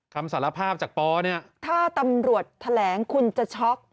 คำสารภาพจากปอเนี่ยถ้าตำรวจแถลงคุณจะช็อก